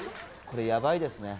これやばいですね